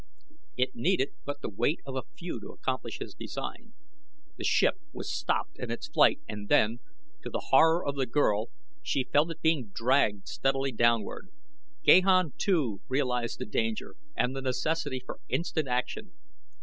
It needed but the weight of a few to accomplish his design. The ship was stopped in its flight and then, to the horror of the girl, she felt it being dragged steadily downward. Gahan, too, realized the danger and the necessity for instant action.